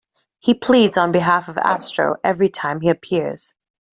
He pleads on behalf of Astro every time he appears.